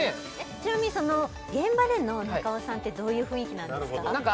ちなみに現場での中尾さんってどういう雰囲気なんですか？